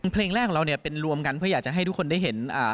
เพลงแรกของเราเนี่ยเป็นรวมกันเพื่ออยากจะให้ทุกคนได้เห็น